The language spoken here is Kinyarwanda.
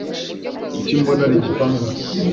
kuki mbona ari igitangaza